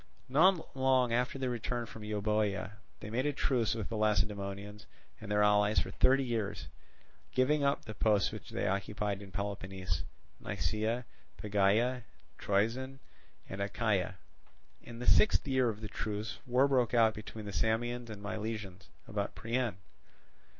Not long after their return from Euboea, they made a truce with the Lacedaemonians and their allies for thirty years, giving up the posts which they occupied in Peloponnese—Nisaea, Pegae, Troezen, and Achaia. In the sixth year of the truce, war broke out between the Samians and Milesians about Priene.